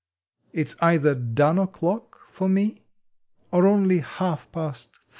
It s either Done o Clock for me, Or only Half past Through.